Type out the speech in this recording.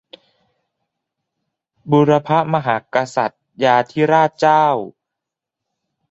บุรพมหากษัตริยาธิราชเจ้า